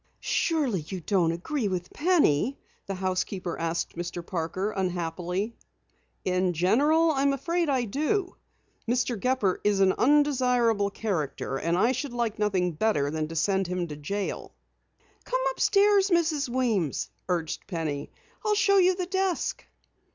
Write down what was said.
"Surely you don't agree with Penny?" the housekeeper asked Mr. Parker unhappily. "In general, I am afraid I do. Mr. Gepper is an undesirable character, and I should like nothing better than to send him to jail." "Come upstairs, Mrs. Weems," urged Penny. "I'll show you the desk."